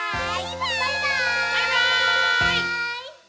「バイバーイ！」